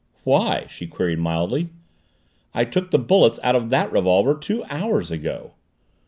"Why?" she queried mildly. "I took the bullets out of that revolver two hours ago."